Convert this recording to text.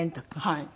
はい。